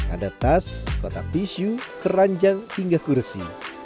ada tas kotak tisu keranjang hingga kursi